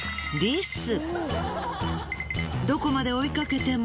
どこまで追いかけても。